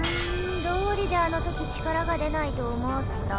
どうりであのとき力が出ないと思った。